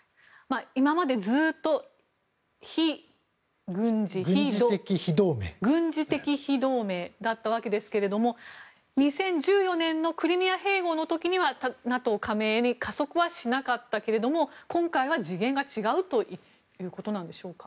今までずっと軍事的非同盟だったわけですが２０１４年のクリミア併合の時にはＮＡＴＯ加盟へ加速はしなかったけれども今回は次元が違うということなんでしょうか。